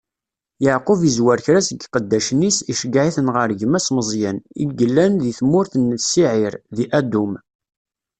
Yeɛqub izzwer kra seg iqeddacen-is, iceggeɛ-iten ɣer gma-s Meẓyan, i yellan di tmurt n Siɛir, di Adum.